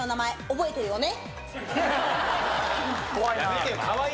覚えてるよね？